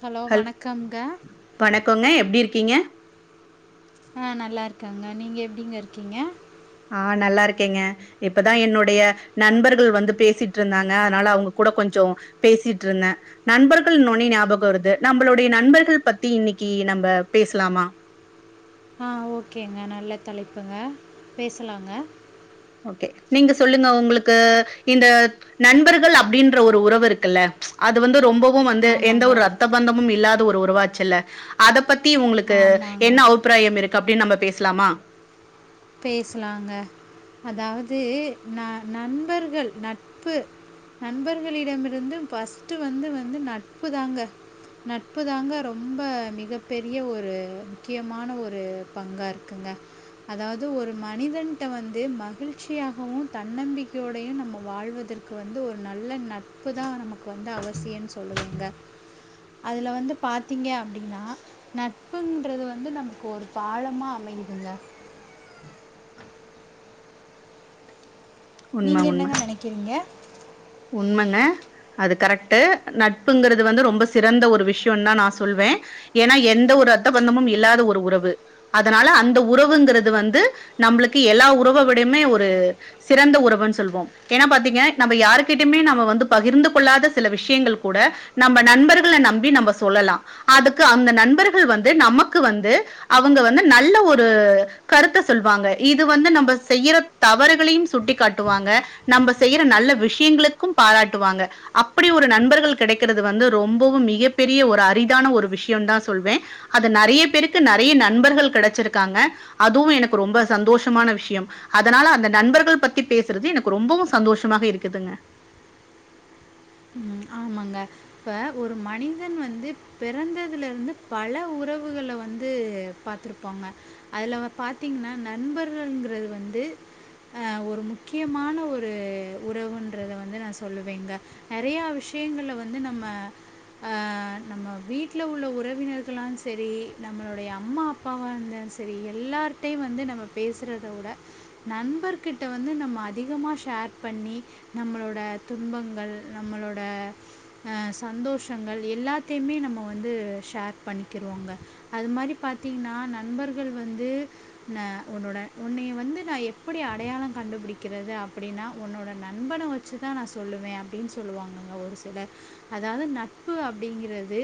Hello ஹல் வணக்கம்ங்க வணக்கோங்க எப்டி இருக்கீங்க ஆஹ் நல்லா இருக்கெங்க நீங்க எப்படிங்க இருக்கீங்க ஆஹ் நல்லா இருக்கேங்க இப்பதா என்னுடைய நண்பர்கள் வந்து பேசிட்டு இருந்தாங்க அதனால அவங்க கூட கொஞ்சோ பேசிட்டு இருந்தே நண்பர்கள் சொன்வுன்னே ஞாபக வருது நம்மளுடைய நண்பர்கள் பத்தி இன்னைக்கு நம்ம பேசலாமா ஆ ஓக்கேங்க நல்ல தலைப்புங்க பேசலாங்க ஓக்கே நீங்க சொல்லுங்க உங்களுக்கு இந்த நண்பர்கள் அப்படின்ற ஒரு உறவு இருக்குல்ல அது வந்து ரொம்பவு வந்து எந்த ஆமாங்க ஒரு ரத்த பந்தமு இல்லாத ஒரு உறவா ல்ல அத பத்தி தி உங்களுக்கு என்ன ஆமாங்க அபிப்பிராயம் இருக்கு அப்படின்னு நம்ம பேசலாமா பேசலாங்க அதாவது ந நண்பர்கள் நட்பு நண்பர்களிடமிருந்து ஃபஸ்ட் வந்து வந்து நட்பு தாங்க நட்பு தாங்க ரொம்ப மிகப்பெரிய ஒரு முக்கியமான ஒரு பங்கா இருக்குங்க அதாவது வந்து ஒரு மனிதன்ட வந்து மகிழ்ச்சியாகவும் தன்னம்பிக்கையோடையும் நம்ம வாழ்வதற்கு வந்து ஒரு நல்ல நட்பு தான் நமக்கு வந்து அவசியம்ன்னு சொல்லுதுவங்க அதுல வந்து பாத்தீங்க அப்படின்னா நட்புன்றது வந்து நமக்கு ஒரு பாலமா அமையதுங்க நீங்க என்னங்க நெனைக்கிறீங்க உண்மைங்க அது கரெக்ட் நட்புங்கிறது வந்து ரொம்ப சிறந்த ஒரு விஷயம் தான் நான் சொல்வேன் ஏன்னா எந்த ஒரு ரத்தபந்தமும் இல்லாத ஒரு உறவு அதனால அந்த உறவுங்கிறது வந்து நம்மளுக்கு எல்லா உறவு விடையுமே ஒரு சிறந்த உறவுன்னு சொல்வோம் ஏன்னா பாத்தீங்க நம்ம யாருக்கு கிட்டயுமே வந்து பகிர்ந்து கொள்ளாத சில விஷயங்கள் கூட நம்ம நண்பர்கள நம்பி நம்ம சொல்லலா அதுக்கு அந்த நண்பர்கள் வந்து நமக்கு வந்து அவங்க வந்து நல்ல ஒரு கருத்த சொல்லுவாங்க இது வந்து நம்ம செய்யற தவறுகளையும் சுட்டிக் காட்டுவாங்க நம்ம செய்யற நல்ல விஷய யங்களுக்கும் பாராட்டுவாங்க அப்படி ஒரு நண்பர்கள் கிடைக்கிறது வந்து ரொம்பவும் மிகப்பெரிய ஒரு அரிதான ஒரு விஷயம் தான் சொல்வேன் அது நெறைய பேருக்கு நெறைய நண்பர்கள் கிடைச்சிருக்காங்க அதுவும் எனக்கு ரொம்ப சந்தோஷமான விஷயம் அதனால அந்த நண்பர்கள் பத்தி பேசுறது எனக்கு ரொம்பவும் சந்தோஷமா இருக்குதுங்க ம் ஆமாங்க இப்போ ஒரு மனிதன் வந்து பிறந்ததுலருந்து பல உறவுகள வந்து பாத்துருப்பாங்க அதில் ப பாத்தீங்கன்னா நண்பர்கள்ங்கிறது வந்து ஒரு முக்கியமான ஒரு உறவுன்றத வந்து நான் சொல்லுவேங்க நெறைய விஷயம் விஷயங்களை வந்து நம்ம ஆஹ் நம்ம வீட்டில உள்ள உறவினர்களால செரி நம்மளுடைய அம்மா அப்பாவாக இருந்தாலும் செரி எல்லார்டையும் வந்து நம்ம பேசுறத விட நண்பர்ககிட்ட வந்து நம்ம அதிகமாக ஷேர் பண்ணி நம்மளோட துன்பங்கள் நம்மளோட அஹ் சந்தோஷங்கள் எல்லாத்தையுமே நம்ம வந்து ஷேர் பண்ணிக்கிருவோங்க அது மாரி பாத்தீங்கன்னா நண்பர்கள் வந்து ந உன்னோட உன்னய வந்து நா எப்டி அடையாள கண்டுபிடிக்கிறது அப்படின்னா உன்னோட நண்பனை வச்சுதா நா சொல்லுவே அப்டின்னு சொல்லுவாங்கங்க ஒரு அதாவது நட்பு அப்படிங்கிறது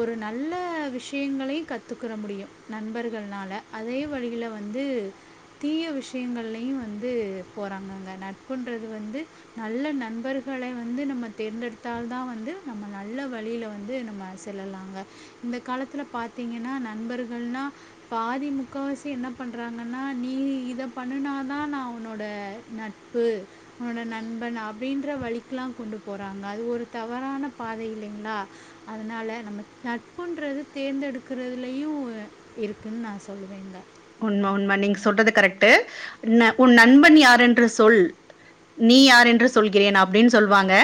ஒரு நல்ல விஷயங்களையும் கத்துக்குற முடியும் நண்பர்கள்னால அதே வழியில வந்து தீய விஷயங்கள்லையும் வந்து போறாங்கங்க நட்புன்றது வந்து நல்ல நண்பர்களை வந்து நம்ம தேர்ந்தெடுத்தால் தான் வந்து நம்ம நல்ல வழியில் வந்து நம்ம செல்லலாங்க இந்த காலத்தில் பாத்தீங்கன்னா நண்பர்கள்னா பாதி முக்கவாசி என்ன பண்ணுறாங்கன்னா நீ இதை பண்ணுனா தான் நான் உன்னோட நட்பு உன்னோட நண்பன் அப்படின்ற வழிக்கெலாம் கொண்டு போறாங்க அது ஒரு தவறான பாத இல்லைங்களா அதனால நம்ம நட்புன்றது தேர்ந்தெடுக்கிறதுலயும் இருக்குன்னு நான் சொல்லுவேங்க உண்ம உண்ம நீங்க சொல்றது கரெக்டு உன் நண்பன் யார் என்று சொல் நீ யார் என்று சொல்கிறேன் அப்படின்னு சொல்லுவாங்க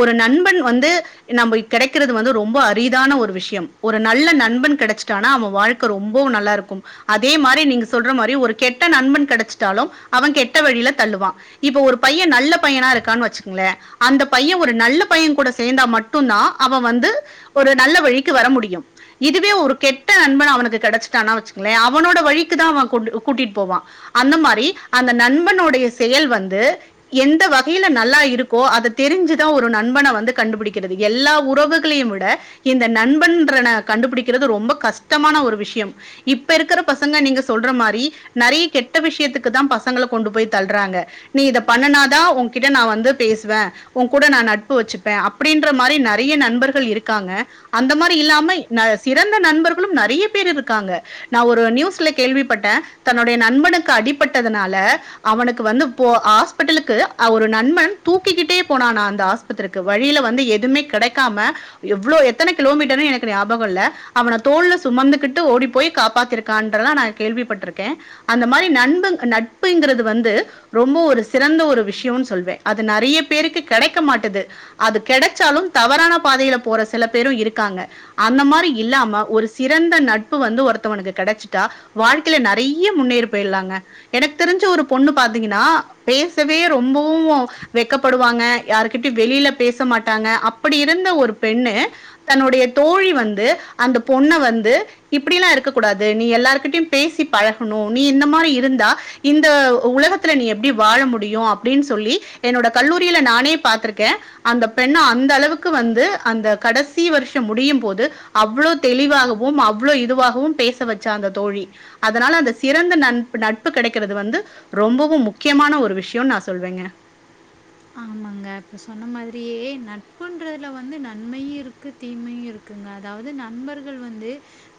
ஒரு நண்பன் வந்து நம்ம கிடைக்கிறது வந்து ரொம்ப அரிதான ஒரு விஷயம் ஒரு நல்ல நண்பன் கிடைச்சிட்டானா அவ வாழ்க்க ரொம்பவு நல்லா இருக்கு அதே மாரி நீங்க சொல்ற மாதிரி ஒரு கெட்ட நண்பன் கிடைச்சுட்டாலும் அவன் கெட்ட வழியில தள்ளுவான் இப்ப ஒரு பையன் நல்ல பையனா இருக்கா வச்சுகோங்க அந்த பையன் ஒரு நல்ல பையன் கூட சேர்ந்தா மட்டும் தான் அவன் வந்து ஒரு நல்ல வழிக்கு வர முடியும் இதுவே ஒரு கெட்ட நண்பன் அவனுக்கு கிடைச்சுட்டான் வச்சுக்கோங்களேன் அவனோட வழிக்கு தா அவன் கொண்டு கூட்டிட்டு போவா அந்த மாரி அந்த நண்பனுடைய செயல் வந்து எந்த வகையில நல்லா இருக்கோ அத தெரிஞ்சுதா ஒரு நண்பனை வந்து கண்டுபிடிக்கிறது எல்லா உறவுகளையும் விட இந்த நண்பன்ரண கண்டுபிடிக்கிறது ரொம்ப கஷ்டமான ஒரு விஷயம் இப்ப இருக்க பசங்க நீங்க சொல்ற மாதிரி நெறைய கெட்ட விஷயத்துக்கு தான் பசங்கள கொண்டு போய் தள்றாங்க நீ இத பண்ணனாதான் உனகிட்ட நான் வந்து பேசுவேன் உன கூட நான் நட்பு வச்சுப்பேன் அப்படின்ற மாதிரி நெறைய நண்பர்கள் இருக்காங்க அந்த மாதிரி இல்லாம சிறந்த நண்பர்களும் நெறைய பேர் இருக்காங்க நா ஒரு நியூஸ்ல கேள்விப்பட்டே தன்னுடைய நண்பனுக்கு அடிப்பட்டதுனால அவனுக்கு வந்து போ ஹாஸ்பிட்டலுக்கு அவ ஒரு நண்பன் தூக்கிக்கிட்டே போனானா அந்த ஆஸ்பத்திரிக்கு வழியில வந்து எதுவுமே கிடைக்காம எவ்ளோ எத்தன கிலோமீட்டர்னு எனக்கு ஞாபகம் இல்ல அவன தோல்ல சுமந்துகிட்டு ஓடி போய் காப்பாத்திருக்கான்‌றத நா கேள்விப்பட்டிருக்கேன் அந்த மாரி நன்புங் நட்புங்கிறது வந்து ரொம்ப ஒரு சிறந்த ஒரு விஷயம் சொல்வேன் அது நெறைய பேருக்கு கிடைக்க மாட்டது அது கிடைச்சாலும் தவறான பாதையில போற சில பேரும் இருக்காங்க அந்த மாதிரி இல்லாம ஒரு சிறந்த நட்பு வந்து ஒரு த்தவங்களுக்கு கிடைச்சிட்டா வாழ்க்கைல நெறைய முன்னேறி போயிடலாங்க எனக்கு தெரிஞ்ச ஒரு பொண்ணு பாத்தீங்கன்னா பேசவே ரொம்பவு வெக்கப்படுவாங்க யாருகிட்டயு வெளியில பேச மாட்டாங்க அப்படி இருந்த ஒரு பெண்ணு தன்னுடைய தோழி வந்து அந்த பொண்ண வந்து இப்படியிலா இருக்க கூடாது நீ எல்லாருகிட்டயும் பேசி பழகணும் நீ இந்த மாரி இருந்தா இந்த உலகத்துல நீ எப்படி வாழ முடியு அப்படின்னு சொல்லி என்னோட கல்லூரியில நானே பார்த்திருக்கே அந்த பெண்ண அந்த அளவுக்கு வந்து அந்த கடைசி வருஷ முடியு போது அவ்ளோ தெளிவாகவு அவ்ளோ இதுவாகவு பேச வச்சா அந்த தோழி அதனால அந்த சிறந்த நட்பு நட்பு கிடைக்கிறது வந்து ரொம்பவும் முக்கியமான ஒரு விஷயம்னு நான் சொல்வேங்க ஆமாங்க இப்ப சொன்ன மாதிரியே நட்புன்றதுல வந்து நன்மையு இருக்கு தீமையு இருக்குங்க அதாவது நண்பர்கள் வந்து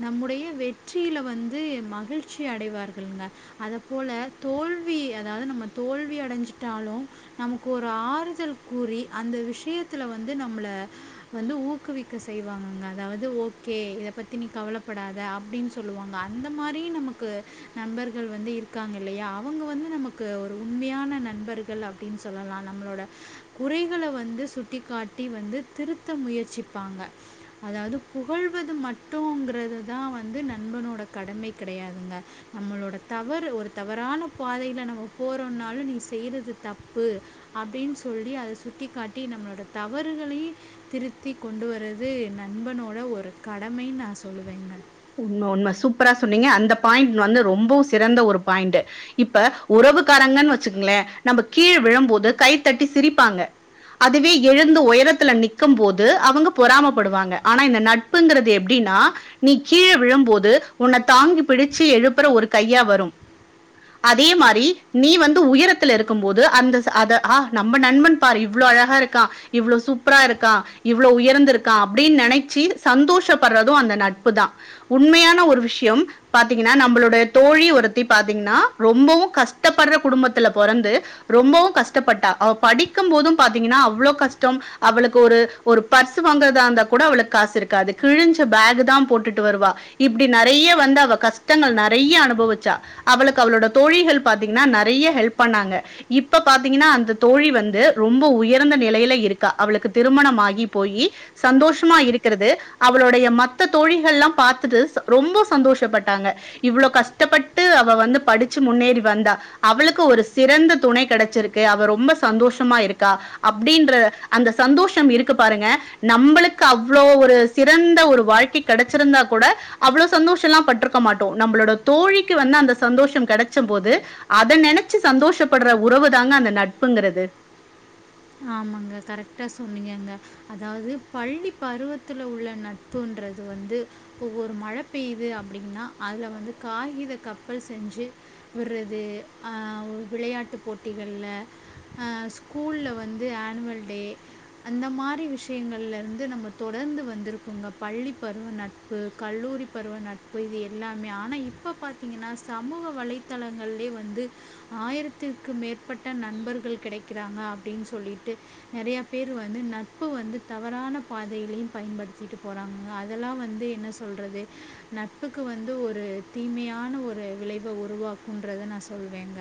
நம்முடைய வெற்றியில வந்து மகிழ்ச்சி அடைவார்கள்ங்க அத போல தோல்வி அதாவது நம்ம தோல்வி அடைஞ்சிட்டாலு நமக்கு ஒரு ஆறுதல் கூறி அந்த விஷயத்துல வந்து நம்மள வந்து ஊக்குவிக்க செய்வாங்கங்க அதாவது ஓகே இத பத்தி நீ கவலப்படாத அப்டின் சொல்லுவாங்க அந்த மாரி நமக்கு நண்பர்கள் வந்து இருக்காங்க இல்லையா அவுங்க வந்து நமக்கு ஒரு உண்மையான நண்பர்கள் அப்டின்னு சொ சொல்லலா நம்மளோட குறைகள வந்து சுட்டிக்காட்டி வந்து திருத்த முயற்சிப்பாங்க அதாவது புகழ்வது மட்டும்ங்கிறது தா வந்து நண்பனோட கடமை கிடையாதுங்க நம்மளோட தவறு ஒரு தவறான பாதையில நம்ம போறோனாலு நீ செய்யறது தப் ப்பு அப்டின்னு சொல்லி அத சுட்டிக்காட்டி நம்மளோட தவறுகளையு திருத்தி கொண்டு வரது நண்பனோட ஒரு கடமைன்னு நா சொல்லுவேங்க. உண்ம உண்ம சூப்பரா சொன்னீங்க. அந்த பாயிண்ட் வந்து ரொம்பவு சிறந்த ஒரு பாயிண்ட்டு. இப்ப உறவுக்காரங்கன்னு வச்சுக்கங்களே நம்ப கீழ விழும்போது கைத்தட்டி சிரிப்பாங்க. அதுவே எழுந்து உயரத்துல நிக்கும் போது அவங்க பொறாமப்படுவாங்க. ஆனா இந்த நட்புங்கிறது எப்டின்னா நீ கீழ விழும்போது உன்ன தாங்கி பிடிச்சு எழுப்புற ஒரு கையா வரும். அதே மாரி நீ வந்து உயரத்துல இருக்கும்போது அந்த அத ஆ நம்ம நண்பன் பாரு இவ்ளோ அழகா இருக்கா இவ்ளோ சூப்பரா இருக்கா இவ்ளோ உயர்ந்துருக்கா அப்டின்னு நெனைச்சு சந்தோஷப்படுறது அந்த ந ட்புதா உண்மையான ஒரு விஷயம் பாத்தீங்கன்னா நம்பளோட தோழி ஒருத்தி பாத்தீங்கன்னா ரொம்பவு கஷ்டப்படுற குடும்பத்துல பொறந்து ரொம்பவு கஷ்டப்பட்டா. அவ படிக்கும் போதும் பாத்தீங்கன்னா அவ்ளோ கஷ்டம் அவளுக்கு ஒரு ஒரு பர்ஸ் வாங்குறதா இருந்தா கூட அவளுக்கு காசு இருக்காது கிழிஞ்ச பேக்தா போட்டுட்டு வருவா. இப்டி நெறைய வந்து அவ கஷ்டங்கள் நெறைய அனுபவிச்சா. அவளுக்கு அவளோட தோழிகள் பாத்தீங்கன்னா நெறைய ஹெல்ப் பண்ணாங்க. இப்ப பாத்தீங்கன்னா அந்த தோழி வந்து ரொம்ப உயர்ந்த நிலையில இருக்கா. அவளுக்கு திருமணம் ஆகி போயி சந்தோஷமா இருக்கிறது அவளுடைய மத்த தோழிகள்ல்லா பாத்துட்டு ச ரொம்ப சந்தோஷப்பட்டாங்க. இவ்ளோ கஷ்டப்பட்டு அவ வந்து படிச்சு முன்னேறி வந்தா. அவளுக்கு ஒரு சிறந்த துணை கெடைச்சிருக்கு. அவ ரொம்ப சந்தோஷமா இருக்கா அப்டின்ற அந்த சந்தோஷம் இருக்கு பாருங்க நம்மளுக்கு அவ்ளோ ஒரு சிறந்த ஒரு வாழ்க்கை கெடைச்சிருந்தா கூட அவ்ளோ சந்தோஷம்லா பட்ருக்க மாட்டோ. நம்பளோட தோழிக்கு வந்து அந்த சந்தோஷம் கெடைச்ச போது அத நெனைச்சு சந்தோஷப்படுற உறவுதாங்க அந்த நட்புங்கறது. ஆமாங்க கரெக்டா சொன்னீங்கங்க. அதாவது பள்ளி பருவத்தில உள்ள நட்புன்றது வந்து இப்போ ஒரு மழ பெய்து அப்டின்னா அதுல வந்து காகிதக் கப்பல் செஞ்சு விடுறது ஆ விளையாட்டு போட்டிகள்ல ஆ ஸ்கூல்ல வ ந்து ஆனுவல் டே அந்த மாரி விஷயங்கள்லருந்து நம்ம தொடர்ந்து வந்திருக்கோங்க. பள்ளிப் பருவ நட்பு கல்லூரிப் பருவ நட்பு இது எல்லாமே. ஆனா இப்ப பாத்தீங்கன்னா சமூக வலைத்தளங்கள்லயே வந்து ஆயிரத்திற்கு மேற்பட்ட நண்பர்கள் கிடைக்கிறாங்க அ ப்படின்னு சொல்லிட்டு நெறையா பேர் வந்து நட்பு வந்து தவறான பாதையிலையு பயன்படுத்திட்டு போறாங்க அதெல்லா வந்து என்ன சொல்றது நட்புக்கு வந்து ஒரு தீமையான ஒரு விளைவ உருவாக்குன்றத நா சொல்வேங்க.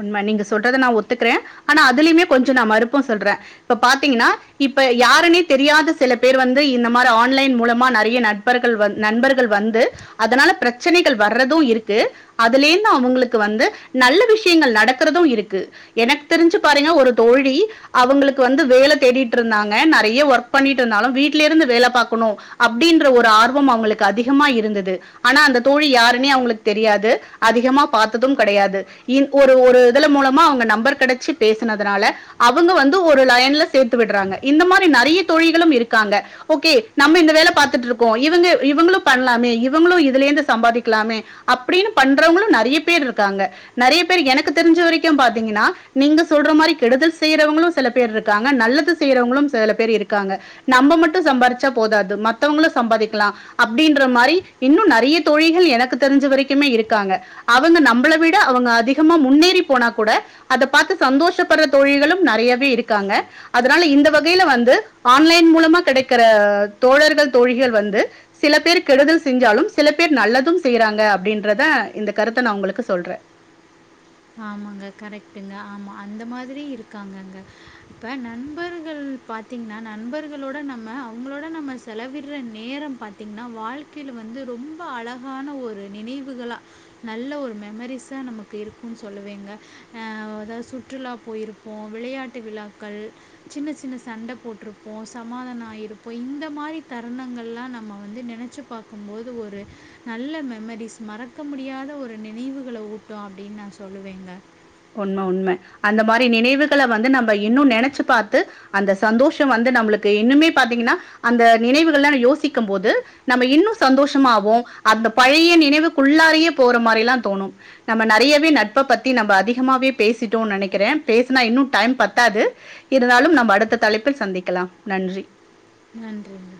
உண்ம நீங்க சொல்றத நா ஒத்துக்கறே. ஆனா அதுலயுமே கொஞ்ச நா மறுப்பும் சொல்றே. இப்ப பாத்தீங்கன்னா இப்ப யாருன்னே தெரியாத சில பேர் வந்து இந்த மாரி ஆன்லைன் மூலமா நெறைய நட்பர்கள் வந் நண்பர்கள் வந்து அதனால பிரச்சனைகள் வர்றது இருக்கு. அதுல இருந்து அவங்களுக்கு வந்து நல்ல விஷ யங்கள் நடக்குறது இருக்கு. எனக்கு தெரிஞ்சு பாருங்க ஒரு தோழி அவங்களுக்கு வந்து வேல தேடிட்ருந்தாங்க. நெறைய ஒர்க் பண்ணிட்டு இருந்தாலு வீட்ல இருந்து வேல பாக்கணு அப்டின்ற ஒரு ஆர்வம் அவங்களுக்கு அதிகமா இருந்தது. ஆனா அந்த தோழி யாருன்னே அவங்களுக்கு தெரியாது அதிகமா பாத்ததும் கெடையாது. இ ஒரு ஒரு இதுல மூலமா அவங்க நம்பர் கெடைச்சு பேசுனதுனால அவங்க வந்து ஒரு லைன்ல சேத்து விடுறாங்க. இந்த மாரி நெறைய தோழிகளும் இருக்காங்க. ஓகே நம்ம இந்த வேல பாத்துட்ருக்கோ இவங்க இவங்களு பண்லாமே இவங்களு இதுல இருந்து சம்பாதிக்கலாமே அப்டின்னு பண்றவங்களு நெறைய பேர் இருக்காங்க. நெறைய பேர் எனக்கு தெரிஞ்ச வரைக்கு பாத்தீங்கன்னா நீங்க சொல்ற மாரி கெடுதல் செய்யறவங்களு சில பேர் இருக்காங்க நல்லது செய்யறவங்களும் சில பேர் இருக்காங்க. நம்ம மட்டும் சம்பாரிச்சா போதாது மத்தவங்களு சம்பாதிக்கலா அப்டின்ற மாரி இன்னு நெறைய தோழிகள் எனக்கு தெரிஞ்ச வரைக்குமே இருக்காங்க. அவங்க நம்பள வி ட அவங்க அதிகமா முன்னேறி போனா கூட அத பாத்து சந்தோஷப்படுற தோழிகளும் நெறயவே இருக்காங்க. அதனால இந்த வகைல வந்து ஆன்லைன் மூலமா கெடைக்கிற தோழர்கள் தோழிகள் வந்து சில பேர் கெடுதல் செஞ்சாலும் சில பேர் நல்லதும் செய்யறாங்க அப்டின்றத இந்த கருத்த நா உங்களுக்கு சொல்றே. ஆமாங்க கரெக்ட்டுங்க ஆமா அந்த மாதிரி இருக்காங்கங்க. இப்ப நண்பர்கள் பாத்தீங்கன்னா நண்பர்களோட நம்ம அவங்களோட நம்ம செலவிடுற நேரம் பாத்தீங்ன்னா வாழ்க்கைல வந்து ரொம்ப அழகான ஒரு நினைவுகளா நல்ல ஒரு மெமரிஸா நமக்கு இருக் குன்னு சொல்லுவேங்க. ஆ அதாவது சுற்றுலா போயிருப்போ விளையாட்டு விழாக்கள் சின்ன சின்ன சண்ட போட்ருப்போ சமாதானோ ஆயிருப்போ இந்த மாரி தருணங்கள்லா நம்ம வந்து நெனச்சு பாக்கும்போது ஒரு நல்ல மெமரிஸ் மறக்க முடியாத ஒரு நினைவுகள ஊட்டு அப்டின்னு நா சொல்லுவேங்க. உண்ம உண்ம. அந்த மாரி நினைவுகள வந்து நம்ப இன்னு நெனைச்சு பாத்து அந்த சந்தோஷோ வந்து நம்மளுக்கு இன்னுமே பாத்தீங்கன்னா அந்த நினைவுகள்லா யோசிக்கும்போது நம்ம இன்னு சந்தோஷமாவோ அந்த பழய நினைவுக்குள்ளாரயே போற மாரிலா தோணு. நம்ம நெறையவே நட்ப பத்தி நம்ப அதி கமாவே பேசிட்டோன்னு நெனைக்கிறே. பேசுனா இன்னு டைம் பத்தாது. இருந்தாலு நம்ம அடுத்த தலைப்பில் சந்திக்கலா நன்றி. நன்றிங்க.